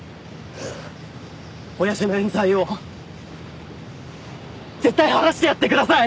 親父の冤罪を絶対晴らしてやってください！